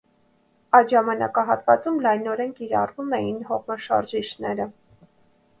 Այդ ժամանակաշրջանում լայնորեն կիրառվում էին հողմաշարժիչները։